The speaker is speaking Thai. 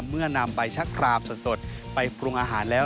นำใบชะครามสดไปปรุงอาหารแล้ว